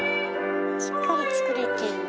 しっかり作れてる。